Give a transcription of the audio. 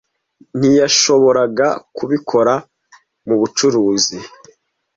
Ntiyashoboraga kubikora mubucuruzi.